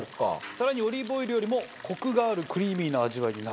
更にオリーブオイルよりもコクがあるクリーミーな味わいになると。